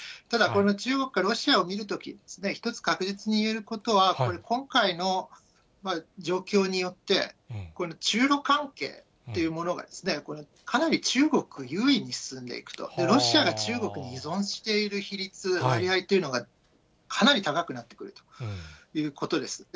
ただ、この中国がロシアを見るとき、一つ確実に言えることは、これ、今回の状況によって、中ロ関係っていうものが、かなり中国優位に進んでいくと、ロシアが中国に依存している比率、割合というのがかなり高くなってくるということです。